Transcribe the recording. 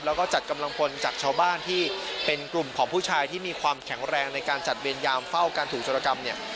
แล้วก็จัดกำลังพลจากชาวบ้านที่เป็นกลุ่มของผู้ชายที่มีความแข็งแรงในการจัดเวรยามเฝ้าการถูกจรกรรมเนี่ย